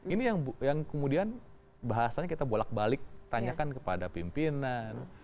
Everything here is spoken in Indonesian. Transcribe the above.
ini yang kemudian bahasanya kita bolak balik tanyakan kepada pimpinan